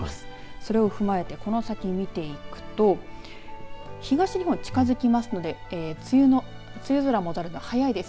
それを踏まえてこの先見ていくと東日本に近づきますので梅雨空、戻るの早いです。